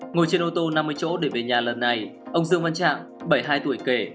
ngồi trên ô tô năm mươi chỗ để về nhà lần này ông dương văn trạng bảy mươi hai tuổi kể